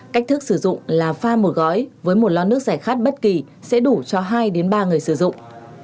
cách thức sử dụng là pha một gói với một lon nước giải khát bất kỳ sẽ đủ cho hai ba người sử dụng